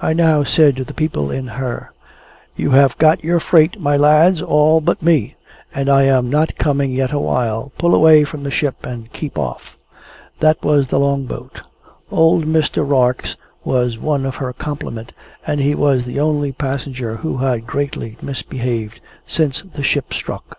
I now said to the people in her, "You have got your freight, my lads, all but me, and I am not coming yet awhile. Pull away from the ship, and keep off!" That was the Long boat. Old Mr. Rarx was one of her complement, and he was the only passenger who had greatly misbehaved since the ship struck.